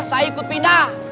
saya ikut pindah